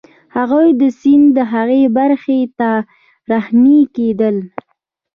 هغوی د سیند هغې برخې ته رهنيي کېدل.